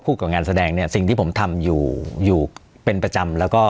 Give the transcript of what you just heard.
กับงานแสดงเนี่ยสิ่งที่ผมทำอยู่อยู่เป็นประจำแล้วก็